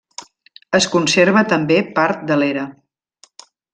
Es conserva també part de l'era.